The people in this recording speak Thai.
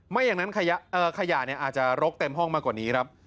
ไม่อย่างนั้นขยะอาจจะรกเต็มห้องมากกว่านี้ครับ